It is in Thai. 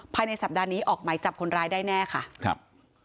ภายในสัปดาห์นี้ออกไหมจับคนร้ายได้แน่ค่ะครับ